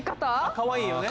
かわいいよね。